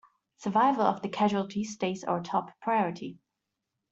Survival of the casualties stays our top priority!